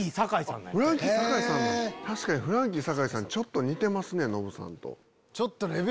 確かにフランキー堺さんちょっと似てますねノブさんと。